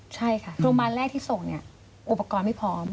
ใช่ค่ะโรงพยาบาลแรกที่ส่งเนี่ยอุปกรณ์ไม่พร้อม